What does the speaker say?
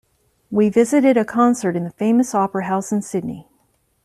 We visited a concert in the famous opera house in Sydney.